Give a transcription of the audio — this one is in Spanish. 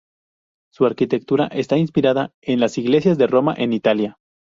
Su arquitectura está inspirada en las iglesias de Roma en Italia.